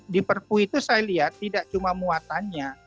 di perpu itu saya lihat tidak cuma muatannya